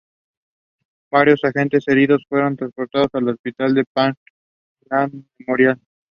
Varios agentes heridos fueron transportados al hospital Parkland Memorial.